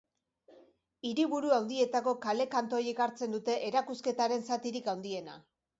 Hiriburu handietako kale kantoiek hartzen dute erakusketaren zatirik handiena.